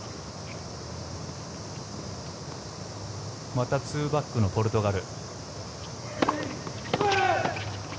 また２バックのポルトガル。